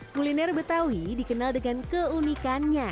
kuliner betawi dikenal dengan keunikannya